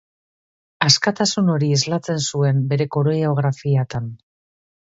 Askatasun hori islatzen zuen bere koreografiatan.